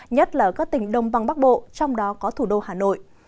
nhất là ở các tỉnh đông băng bắc bộ trong đó có thủ đô hà nội